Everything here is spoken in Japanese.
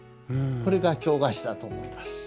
これが京菓子だと思います。